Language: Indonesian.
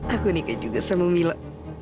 aku nikah juga sama milo